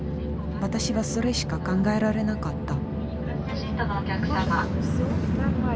私はそれしか考えられなかった。